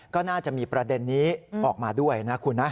ก็น่าจะมีประเด็นนี้ออกมาด้วยนะคุณนะ